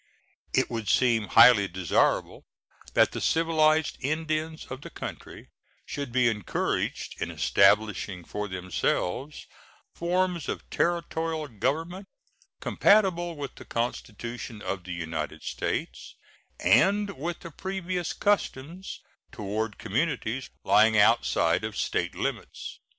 It would seem highly desirable that the civilized Indians of the country should be encouraged in establishing for themselves forms of Territorial government compatible with the Constitution of the United States and with the previous customs toward communities lying outside of State limits.